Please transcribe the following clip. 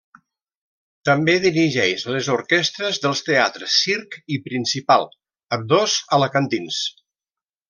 També dirigeix les orquestres dels teatres Circ i Principal, ambdós alacantins.